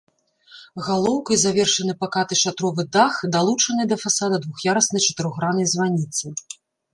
Галоўкай завершаны пакаты шатровы дах далучанай да фасада двух'яруснай чатырохграннай званіцы.